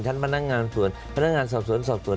ท่านพนักงานส่วนพนักงานส่วนส่วนส่วน